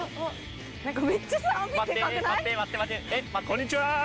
こんにちは。